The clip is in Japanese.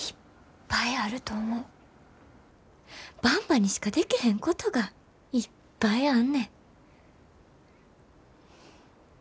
ばんばにしかでけへんことがいっぱいあんねん。